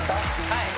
はい。